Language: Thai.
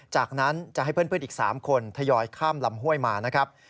จากนั้นจะให้เพื่อนอีก๓คนทยอยข้ามลำห้วยมานะครับ